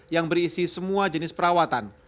yang berisi semua jenis perawatan